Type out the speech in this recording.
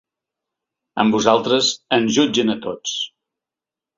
Amb vosaltres, ens jutgen a tots.